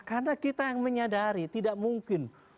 karena kita yang menyadari tidak mungkin